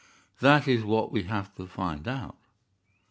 "That is what we have to find out."